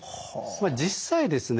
まあ実際ですね